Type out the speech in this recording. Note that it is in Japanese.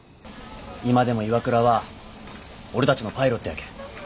今でも岩倉は俺たちのパイロットやけん。